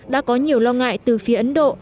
đã có nhiều lo ngại từ phía ấn độ